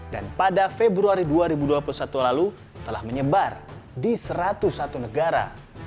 dan pada februari dua ribu dua puluh satu lalu telah menyebar di satu ratus satu negara